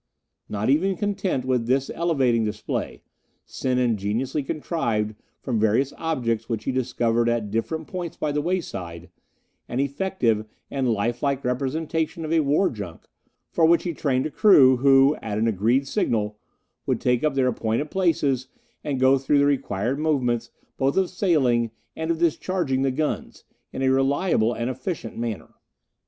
Not even content with this elevating display, Sen ingeniously contrived, from various objects which he discovered at different points by the wayside, an effective and life like representation of a war junk, for which he trained a crew, who, at an agreed signal, would take up their appointed places and go through the required movements, both of sailing, and of discharging the guns, in a reliable and efficient manner.